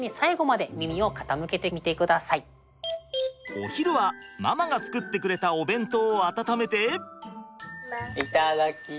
お昼はママが作ってくれたお弁当を温めて。